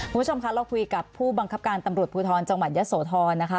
คุณผู้ชมคะเราคุยกับผู้บังคับการตำรวจภูทรจังหวัดยะโสธรนะคะ